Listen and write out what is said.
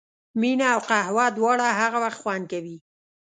مینه او قهوه دواړه هغه وخت خوند کوي.